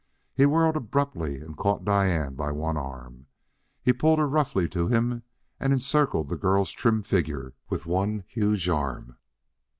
He whirled abruptly and caught Diane by one arm. He pulled her roughly to him and encircled the girl's trim figure with one huge arm.